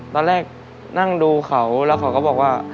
ตอนแรกนั่งดูเขาแล้วเขาก็บอกว่า